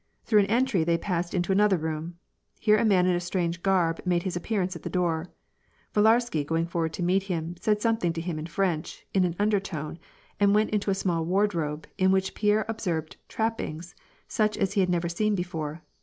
Through an entry they passed into another room. Here a man in a strange g^rb made his appearance at the door. Villarsky, going forward to meet him, said something to him in French, in an undertone, and went to a small wardrobe, in which Pierre observed trappings such as he had never seen before.